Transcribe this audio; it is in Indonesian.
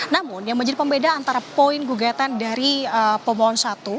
namun yang menjadi pembeda antara poin gugatan dari pemohon satu